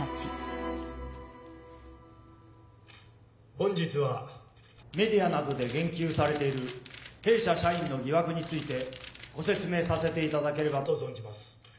本日はメディアなどで言及されている弊社社員の疑惑についてご説明させていただければと存じます。